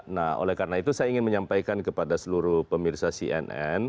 nah oleh karena itu saya ingin menyampaikan kepada seluruh pemirsa cnn